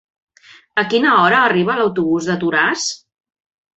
A quina hora arriba l'autobús de Toràs?